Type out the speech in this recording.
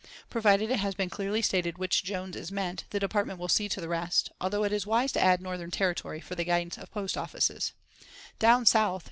Provided it has been clearly stated which Jones is meant the Department will see to the rest, although it is wise to add Northern Territory for the guidance of Post Offices "Down South."